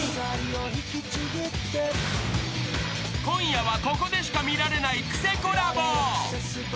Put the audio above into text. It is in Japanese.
［今夜はここでしか見られないクセコラボ］